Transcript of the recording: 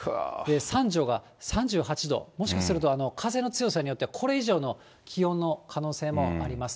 三条が３８度、もしかすると風の強さによっては、これ以上の気温の可能性もあります。